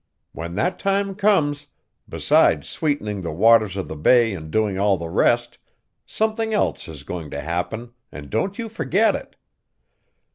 When that time comes, beside sweetening the waters of the bay and doing all the rest, something else is going to happen and don't you forget it!